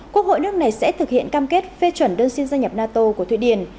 quốc hội nước này sẽ thực hiện cam kết phê chuẩn đơn xin gia nhập nato của thụy điển